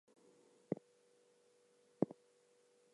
Now, categorize the beat.